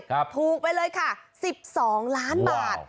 ถูกไปเลยค่ะ๑๒ล้านบาท